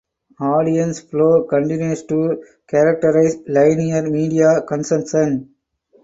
Audience flow continues to characterize linear media consumption.